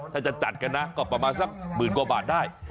ถ้าจะจัดกันนะก็ประมาณสักหมื่นกว่าบาทได้